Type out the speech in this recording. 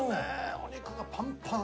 お肉がパンパン。